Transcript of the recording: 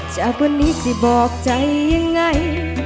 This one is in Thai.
จากวันนี้สิบอกใจยังไง